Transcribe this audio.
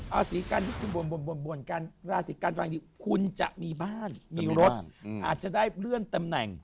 เอาสิริการบวนบวนบวนราศิกรรณ์ว่างนี้คุณจะมีบ้านมีรถอาจจะได้เลื่อนตำแหน่ง